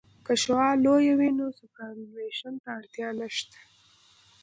که شعاع لویه وي نو سوپرایلیویشن ته اړتیا نشته